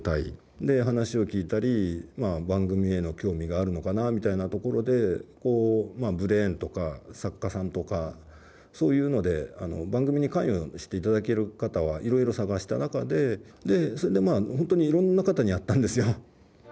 で話を聞いたり番組への興味があるのかなみたいなところでこうブレインとか作家さんとかそういうので番組に関与していただける方はいろいろ探した中でそれでまあ本当にいろんな方に会ったんですよ。